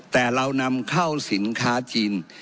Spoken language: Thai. แต่เรานำเข้าสินค้าจีน